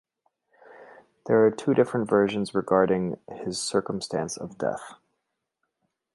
There are two different versions regarding his circumstance of death.